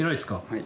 はい。